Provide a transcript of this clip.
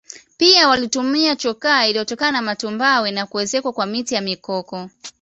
pia walitumia chokaa iliyotokana na matumbawe na kuezekwa kwa miti ya mikoko